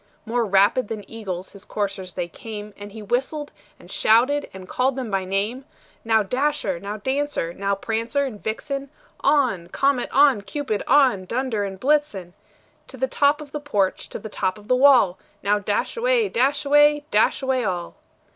More rapid than eagles his coursers they came, And he whistled, and shouted, and called them by name; "Now, Dasher! now, Dancer! now, Prancer and Vixen! On! Comet, on! Cupid, on! Dunder and Blitzen To the top of the porch, to the top of the wall! Now, dash away, dash away, dash away all!"